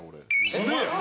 素手やん。